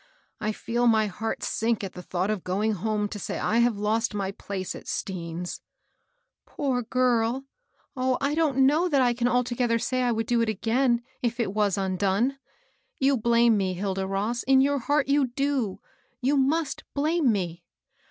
I feel my heart sink at the thought of going home to say I have lost my place at Stean's." " Poor girl ! Oh, I don't know that I can alto gether say I would do it again, \£\\»^^& xso^ss^O^ 172 MABEL ROSS. You blame me, HCda Ross, — in your heart, you do. You must blame me